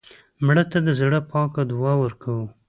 مړه ته د زړه پاکه دعا ورکوو